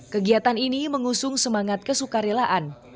kegiatan ini mengusung semangat kesuka relaan